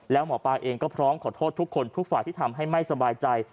แล้วหมอปลาเองก็พร้อมขอโทษทุกคนทุกฝ่ายที่ทำให้ไม่สบายใจ